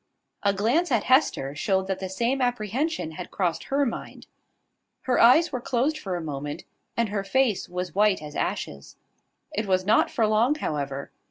A glance at Hester showed that the same apprehension had crossed her mind. Her eyes were closed for a moment, and her face was white as ashes. It was not for long, however.